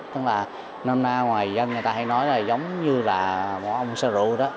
tức là năm nay ngoài dân người ta hay nói là giống như là một ông xe rượu đó